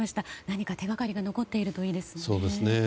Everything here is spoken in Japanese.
何か手がかりが残っているといいですね。